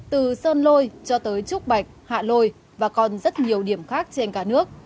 từ sơn lôi cho tới trúc bạch hạ lôi và còn rất nhiều điểm khác trên cả nước